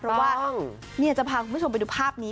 เพราะว่าจะพาคุณผู้ชมไปดูภาพนี้